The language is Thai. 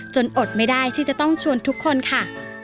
อดไม่ได้ที่จะต้องชวนทุกคนค่ะ